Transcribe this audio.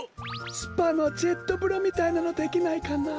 スパのジェットぶろみたいなのできないかな？